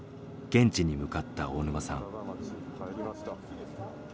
現地に向かった大沼さん。